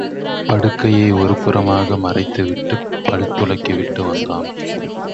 படுக்கையை ஒரு புறமாக மறைத்துவிட்டுப் பல் துலக்கிவிட்டு வந்தான்.